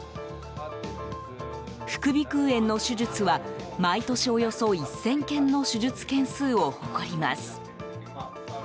副鼻腔炎の手術は毎年およそ１０００件の手術件数を誇ります。